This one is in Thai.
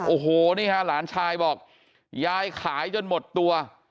โอ้โหนี่ฮะหลานชายบอกยายขายจนหมดตัว